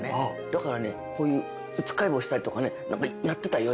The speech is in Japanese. だからねこういう突っかい棒したりとかねやってたよ